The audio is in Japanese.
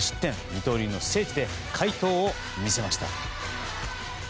二刀流の聖地で快投を見せました。